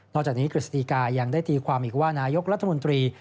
จากนี้กฤษฎีกายังได้ตีความอีกว่านายกรัฐมนตรี